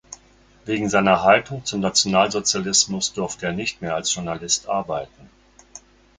Wegen seiner Haltung zum Nationalsozialismus durfte er nicht mehr als Journalist arbeiten.